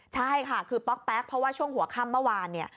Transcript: ใช่ค่ะคือป๊อกแป๊กเพราะว่าช่วงหัวค่ำเมื่อวานเนี่ย